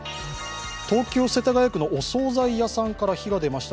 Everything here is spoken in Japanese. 東京・世田谷区のお総菜屋さんから火が出ました。